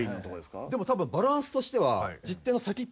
でもたぶんバランスとしては。